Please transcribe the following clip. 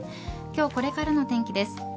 今日これからの天気です。